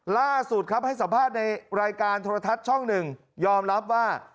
ล่าสุดครับให้สัมภาษณ์ในรายการโทรทัศน์ช่องหนึ่งยอมรับว่า